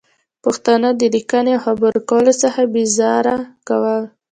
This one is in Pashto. پښتانه د لیکنې او خبرې کولو څخه بې زاره کول